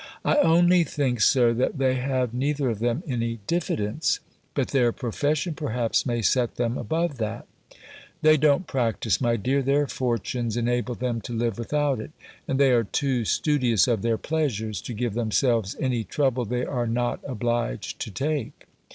"I only think. Sir, that they have neither of them any diffidence: but their profession, perhaps, may set them above that." "They don't practise, my dear; their fortunes enable them to live without it; and they are too studious of their pleasures, to give themselves any trouble they are not obliged to take."